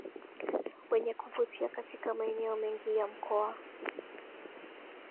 wenye kuvutia katika maeneo mengi ya mkoa